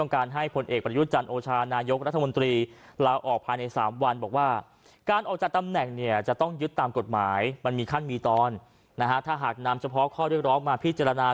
ก็กล่าวถึงข้อเรียกร้องของกลุ่มผู้ชุมนุม